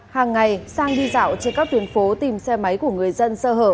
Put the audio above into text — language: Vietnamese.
hàng ngày sang đi dạo trên các tuyến phố tìm xe máy của người dân sơ hở